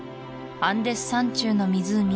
アンデス山中の湖